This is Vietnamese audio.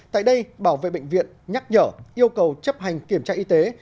tại đây bảo vệ bệnh viện nhắc nhở yêu cầu chấp hành kiểm tra y tế